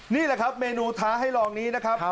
นี่แหละครับเมนูท้าให้ลองนี้นะครับ